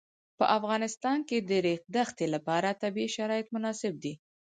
په افغانستان کې د د ریګ دښتې لپاره طبیعي شرایط مناسب دي.